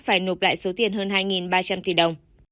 phải nộp lại số tiền hơn hai ba trăm linh tỷ đồng